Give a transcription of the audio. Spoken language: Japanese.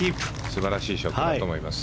素晴らしいショットだと思います。